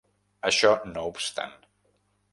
Això no obstant.